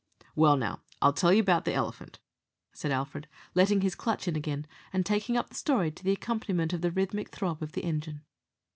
"Well, now, I'll tell you about the elephant," said Alfred, letting his clutch in again, and taking up the story to the accompaniment of the rhythmic throb of the engine.